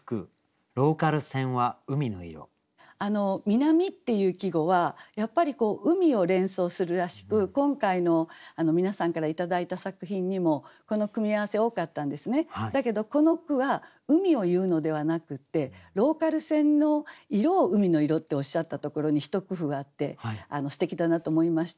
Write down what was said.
「南風」っていう季語はやっぱり海を連想するらしく今回の皆さんから頂いた作品にもこの組み合わせ多かったんですね。だけどこの句は海を言うのではなくってローカル線の色を「海の色」っておっしゃったところに一工夫あってすてきだなと思いました。